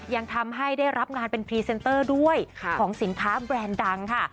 ยังทำให้ได้รับงานเป็นพรีเซนเตอร์ด้วยของสินค้าแบรนด์ดังค่ะ